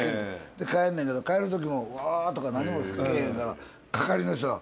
で帰んねんけど帰る時もわあ！とか何もけぇへんから係の人は。